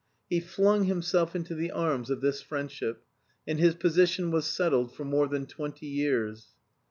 He flung himself into the arms of this friendship, and his position was settled for more than twenty years.